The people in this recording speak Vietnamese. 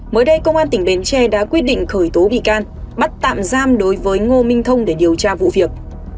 mới đây công an tỉnh bến tre đã quyết định khởi tố bị can bắt tạm giam đối với ngô minh thông để điều tra vụ việc